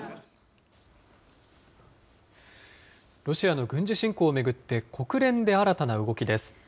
ロシアの軍事侵攻を巡って、国連で新たな動きです。